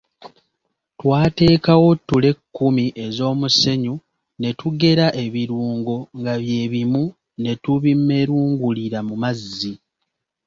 Twateekawo ttule kkumi ez’omusenyu ne tugera ebirungo nga bye bimu ne tubimerengulira mu mazzi.